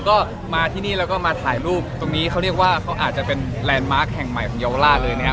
ก็มาที่นี่แล้วก็มาถ่ายรูปตรงนี้เขาเรียกว่าเขาอาจจะเป็นแลนด์มาร์คแห่งใหม่ของเยาวราชเลยนะครับ